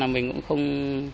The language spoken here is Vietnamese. mình cũng không